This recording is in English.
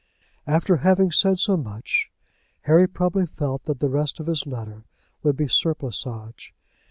After having said so much, Harry probably felt that the rest of his letter would be surplusage.